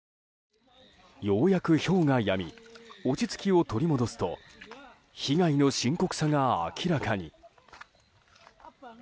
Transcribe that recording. ようやく、ひょうがやみ落ち着きを取り戻すと被害の深刻さが明らかに。